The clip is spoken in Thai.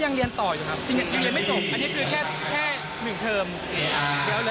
มันก็เลยอย่างเรียนต่ออยู่ครับจะเรียนไม่จบ